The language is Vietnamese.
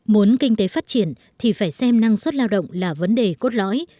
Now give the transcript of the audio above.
muốn kinh tế phát triển thì phải xem năng suất lao động là vấn đề cốt lõi